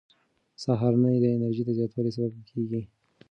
سهارنۍ د انرژۍ د زیاتوالي سبب کېږي.